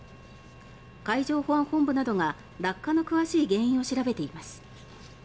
海上保安本部などが落下の詳しい原因を調べています。